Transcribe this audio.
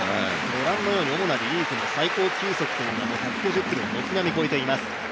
御覧のように主なリリーフの最高球速は１５０キロを軒並み超えています。